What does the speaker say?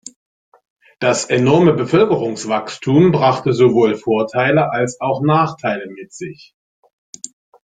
Das enorme Bevölkerungswachstum brachte sowohl Vorteile als auch Nachteile mit sich.